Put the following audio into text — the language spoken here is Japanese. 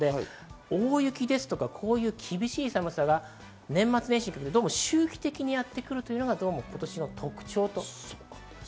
大雪ですとか厳しい寒さが年末年始にかけて周期的にやってくるというのが今年の特徴です。